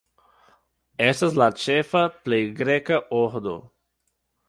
Estas la ĉefa plej greka ordo.